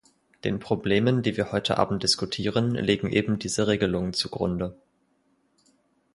Den Problemen, die wir heute Abend diskutieren, liegen eben diese Regelungen zugrunde.